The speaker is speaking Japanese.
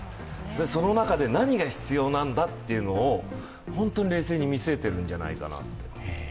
その中で何が必要なんだというのを本当に冷静に見据えているんじゃないかなと。